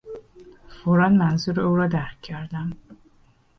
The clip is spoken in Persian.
فورا منظور او را درک کردم.